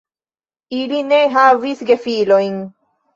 Ili ne havis gefilojn.